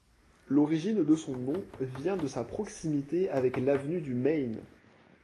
L'origine de son nom vient de sa proximité avec l'avenue du Maine.